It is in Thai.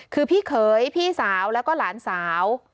คือพี่เขยพี่สาวแล้วก็หลานสาว